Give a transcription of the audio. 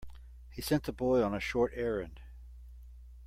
He sent the boy on a short errand.